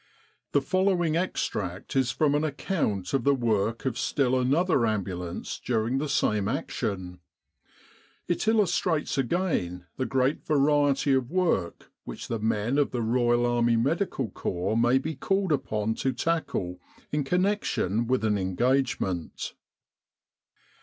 The following extract is from an account of the work of still another Ambulance during the same action. It illustrates again the great variety of work which the men of the Royal Army Medical Corps may be called upon to tackle in connection with an engagement.